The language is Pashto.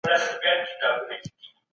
ايا حضوري زده کړه د ډلي کار پياوړی کوي؟